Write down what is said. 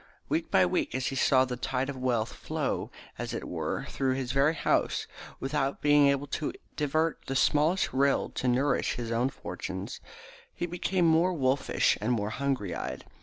Week by week, as he saw the tide of wealth flow as it were through his very house without being able to divert the smallest rill to nourish his own fortunes, he became more wolfish and more hungry eyed.